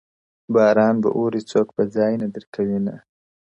باران به اوري څوک به ځای نه درکوینه!!